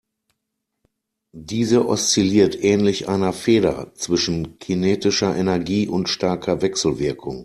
Diese oszilliert ähnlich einer Feder zwischen kinetischer Energie und starker Wechselwirkung.